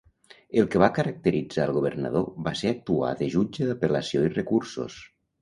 El que va caracteritzar el governador va ser actuar de jutge d'apel·lació i recursos.